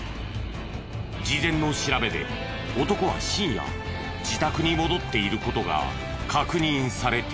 事前の調べで男は深夜自宅に戻っている事が確認されている。